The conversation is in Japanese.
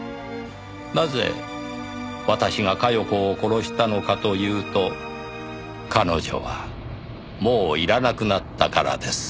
「なぜ私が加世子を殺したのかというと彼女はもういらなくなったからです」